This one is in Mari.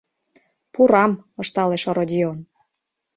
— Пурам, — ышталеш Родион.